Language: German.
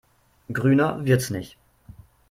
Grüner wird's nicht.